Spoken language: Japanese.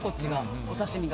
お刺し身が。